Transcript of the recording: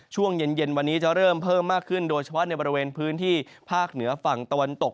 ช่วงเย็นวันนี้จะเริ่มเพิ่มมากขึ้นโดยเฉพาะในบริเวณพื้นที่ภาคเหนือฝั่งตะวันตก